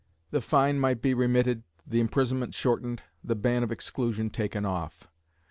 The fine might be remitted, the imprisonment shortened, the ban of exclusion taken off.